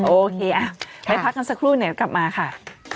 โอเคไปพักกันสักครู่เดี๋ยวกลับมาค่ะ